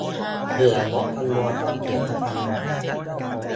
เผื่อลดจำนวน "กล้องเสียกะทันหัน"